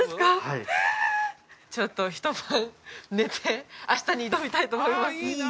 はいちょっと一晩寝て明日に挑みたいと思います！